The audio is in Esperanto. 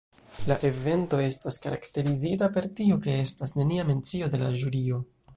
La evento estas karakterizita per tio ke estas nenia mencio de la ĵurio.